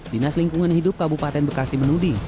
dinas lingkungan hidup kabupaten bekasi menuding